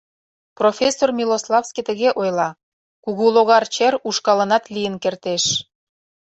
— Профессор Милославский тыге ойла: «Кугулогар чер ушкалынат лийын кертеш.